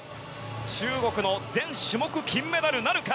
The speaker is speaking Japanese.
中国の全種目金メダルなるか。